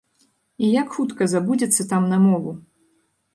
І як хутка забудзецца там на мову?